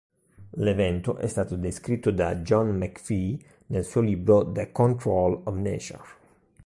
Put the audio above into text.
L'evento è stato descritto da John McPhee nel suo libro "The Control of Nature".